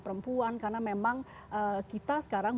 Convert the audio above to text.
perempuan karena memang kita sekarang